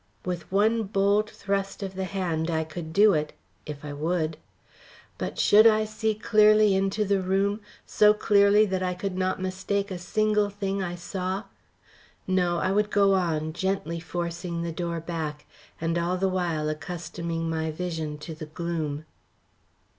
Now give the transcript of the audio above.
With one bold thrust of the hand I could do it if I would. But should I see clearly into the room so clearly that I could not mistake a single thing I saw. No, I would go on, gently forcing the door back, and all the while accustoming my vision to the gloom.